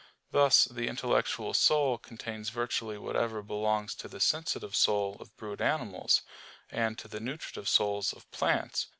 Thus the intellectual soul contains virtually whatever belongs to the sensitive soul of brute animals, and to the nutritive souls of plants.